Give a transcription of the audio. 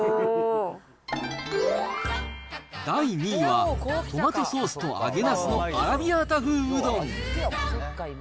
第２位は、トマトソースと揚げなすのアラビアータ風うどん。